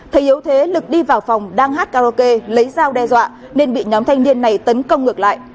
thầy hiếu thế lực đi vào phòng đang hát karaoke lấy dao đe dọa nên bị nhóm thanh niên này tấn công ngược lại